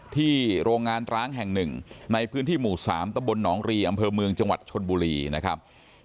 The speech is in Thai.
โรงงานร้างแห่งหนึ่งในพื้นที่หมู่๓ตะบลหนองรีอำเภอเมืองจังหวัดชนบุรีนะครับ